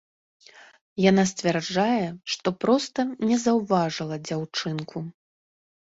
Яна сцвярджае, што проста не заўважыла дзяўчынку.